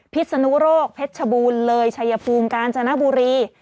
ศนุโรคเพชรชบูรณ์เลยชัยภูมิกาญจนบุรี